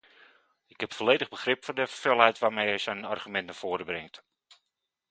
Ik heb volledig begrip voor de felheid waarmee hij zijn argument naar voren brengt.